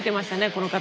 この方。